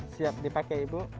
siap dipakai ibu